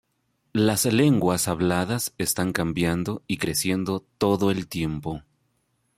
Las lenguas habladas están cambiando y creciendo todo el tiempo.